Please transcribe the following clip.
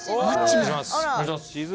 お願いします。